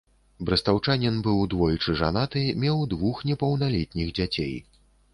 Брэстаўчанін быў двойчы жанаты, меў двух непаўналетніх дзяцей.